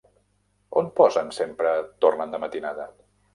On posen Sempre tornen de matinada?